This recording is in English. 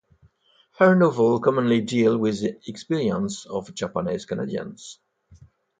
Her novels commonly deal with the experience of Japanese Canadians.